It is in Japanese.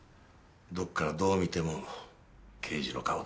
どこからどう見ても刑事の顔だ。